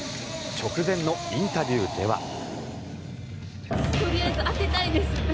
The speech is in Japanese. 直前のインタビューでは。